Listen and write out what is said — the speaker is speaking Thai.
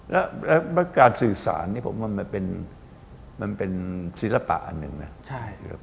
แล้วการสื่อสารมันเป็นศิลปะอันหนึ่งนะ